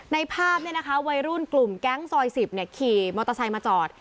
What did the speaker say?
ในภาพเนี่ยนะคะวัยรุ่นกลุ่มแก๊งซอย๑๐เนี่ยขี่มอเตอร์ไซส์มาจอด